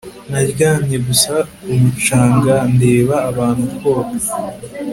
naryamye gusa ku mucanga ndeba abantu koga